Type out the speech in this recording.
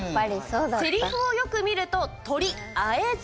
せりふをよく見ると「鳥会えず」